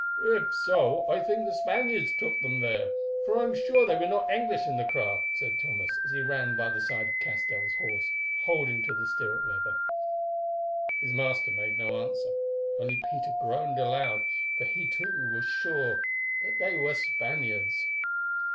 "If so, I think Spaniards took them there, for I am sure they were not English in that craft," said Thomas, as he ran by the side of Castell's horse, holding to the stirrup leather. His master made no answer, only Peter groaned aloud, for he too was sure that they were Spaniards.